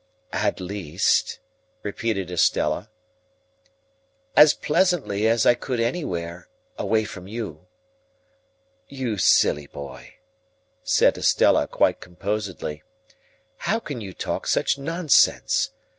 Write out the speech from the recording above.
"At least?" repeated Estella. "As pleasantly as I could anywhere, away from you." "You silly boy," said Estella, quite composedly, "how can you talk such nonsense?